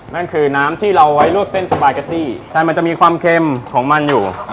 นั่นคือน้ำที่เราไว้ลวกเส้นสปาเกตตี้แต่มันจะมีความเค็มของมันอยู่